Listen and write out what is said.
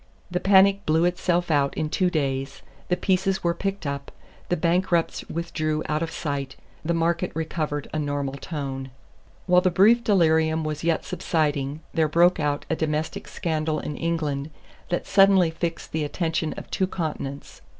The panic blew itself out in two days, the pieces were picked up, the bankrupts withdrew out of sight; the market "recovered a normal tone." While the brief delirium was yet subsiding there broke out a domestic scandal in England that suddenly fixed the attention of two continents.